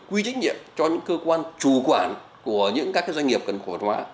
quy trách nhiệm cho những cơ quan chủ quản của những các doanh nghiệp cần cổ phần hóa